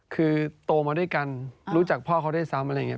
คือโตมาด้วยกันรู้จักพ่อเขาด้วยซ้ำอะไรอย่างนี้